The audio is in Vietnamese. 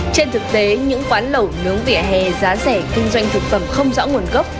trên thực tế những quán lẩu nướng vỉa hè giá rẻ kinh doanh thực phẩm không rõ nguồn gốc